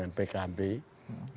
yang berafiliasi dengan pkb